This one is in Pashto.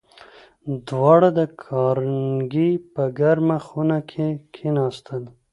دواړه د کارنګي په ګرمه خونه کې کېناستل